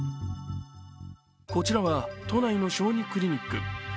こちらは都内の小児クリニック。